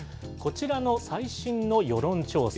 こちらの最新の世論調査。